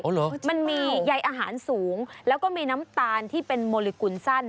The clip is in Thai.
โอ้โหเหรอจริงเปล่ามันมีใยอาหารสูงแล้วก็มีน้ำตาลที่เป็นมลิกุลสั้น